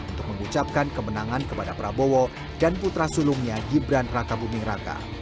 untuk mengucapkan kemenangan kepada prabowo dan putra sulungnya gibran raka buming raka